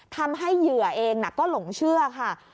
ทำให้เหยื่อเองนะก็หลงเชื่อค่ะ